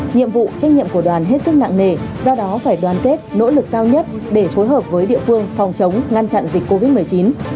nhiệm vụ trách nhiệm của đoàn hết sức nặng nề do đó phải đoàn kết nỗ lực cao nhất để phối hợp với địa phương phòng chống ngăn chặn dịch covid một mươi chín